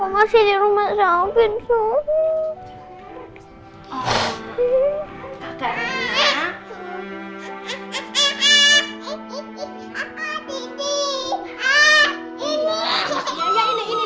masih ada yang ngelakuin